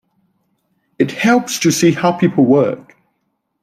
It helps to see how people work.